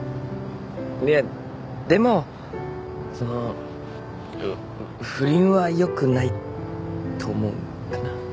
でっでもその不倫は良くないと思うかな。